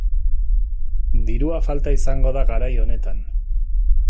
Dirua falta izango da garai honetan.